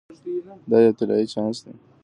دا یو طلایی چانس دی.